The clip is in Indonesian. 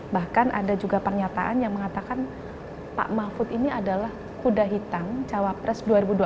bahkan ada juga pernyataan yang mengatakan pak mahfud ini adalah kuda hitam cawapres dua ribu dua puluh